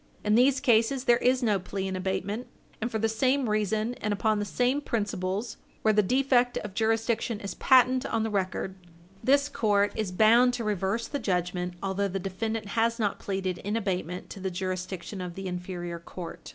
In these cases, there is no plea in abatement. And for the same reason, and upon the same principles, where the defect of jurisdiction is patent on the record, this court is bound to reverse the judgment although the defendant has not pleaded in abatement to the jurisdiction of the inferior court.